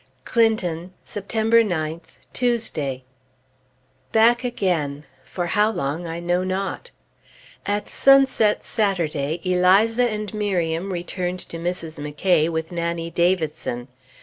CLINTON, September 9th, Tuesday. Back again! For how long, I know not. At sunset Saturday, Eliza and Miriam returned to Mrs. McCay's with Nannie Davidson.